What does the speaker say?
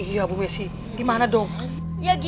iya bu messi gimana dong